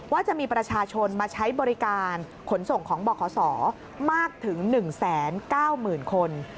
ว่าจะมีประชาชนมาใช้บริการขนส่งของบขมากถึง๑๙๐๐๐คน